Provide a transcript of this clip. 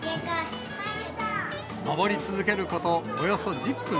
上り続けること、およそ１０分。